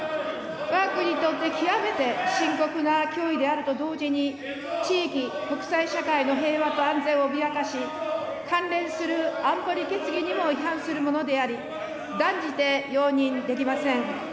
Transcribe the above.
わが国にとって極めて深刻な脅威であると同時に、地域、国際社会の平和と安全を脅かし、関連する安保理決議にも違反するものであり、断じて容認できません。